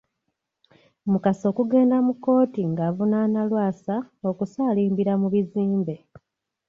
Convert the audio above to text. Mukasa okugenda mu kkooti ng’avunaana Lwasa okusaalimbira mu bizimbe.